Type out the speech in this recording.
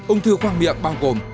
ông thư khoang miệng bao gồm